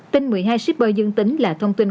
tin một mươi hai shipper dương tính là thông tin